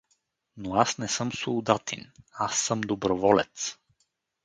— Но аз не съм солдатин, аз съм доброволец.